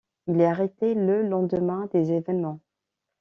Il est arrêté le lendemain des événements.